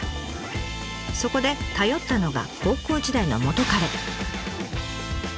そこで頼ったのが高校時代の元カレ。